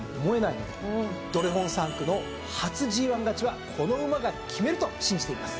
ドレフォン産駒の初ＧⅠ勝ちはこの馬が決めると信じています。